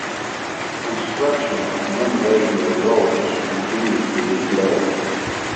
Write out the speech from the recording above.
Construction of non-radial roads continues to be slow.